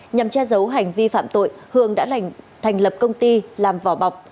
nhằm che giấu hành vi phạm tội hường đã thành lập công ty làm vỏ bọc